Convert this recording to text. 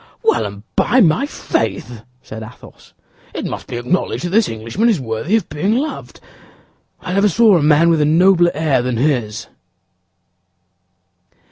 "Well, and by my faith," said Athos, "it must be acknowledged that this Englishman is worthy of being loved. I never saw a man with a nobler air than his."